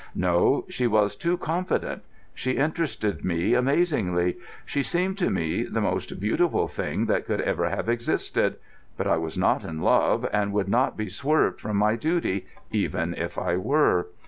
No, she was too confident. She interested me amazingly. She seemed to me the most beautiful thing that could have ever existed. But I was not in love, and would not be swerved from my duty even if I were.